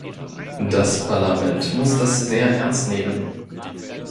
Das Parlament muss das sehr ernst nehmen.